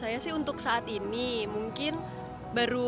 jadi bagaimana caranya untuk mengembangkan kemampuan pemilu dua ribu sembilan belas